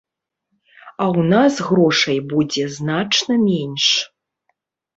А ў нас грошай будзе значна менш.